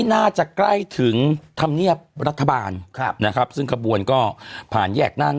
น่าจะใกล้ถึงธรรมเนียบรัฐบาลครับนะครับซึ่งขบวนก็ผ่านแยกนั้น